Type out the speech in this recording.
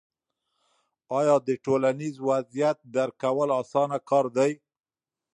آیا د ټولنیز وضعیت درک کول اسانه کار دی؟